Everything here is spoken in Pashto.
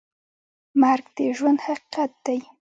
مرګ د ژوند حقیقت دی